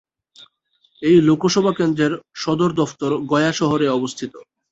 এই লোকসভা কেন্দ্রের সদর দফতর গয়া শহরে অবস্থিত।